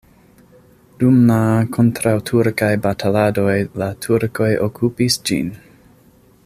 Dum la kontraŭturkaj bataladoj la turkoj okupis ĝin.